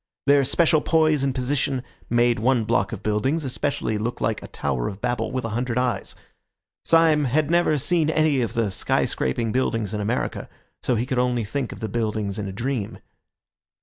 Their special poise and position made one block of buildings especially look like a Tower of Babel with a hundred eyes. Syme had never seen any of the sky scraping buildings in America, so he could only think of the buildings in a dream.